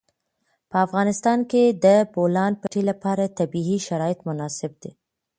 په افغانستان کې د د بولان پټي لپاره طبیعي شرایط مناسب دي.